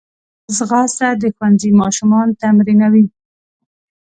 ځغاسته د ښوونځي ماشومان تمرینوي